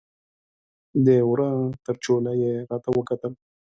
د وره تر چوله یې راته وکتل